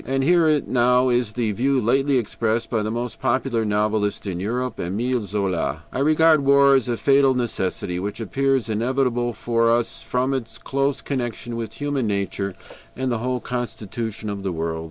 And here now is the view lately expressed by the most popular novelist in Europe, Émile Zola: "I regard war as a fatal necessity, which appears inevitable for us from its close connection with human nature and the whole constitution of the world.